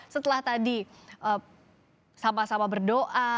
setelah tadi sama sama berdoa